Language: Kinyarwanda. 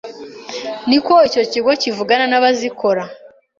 ni ko icyo kigo kivugana n’abazikora